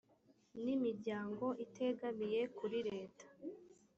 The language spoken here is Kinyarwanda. n imiryango itegamiye kuri leta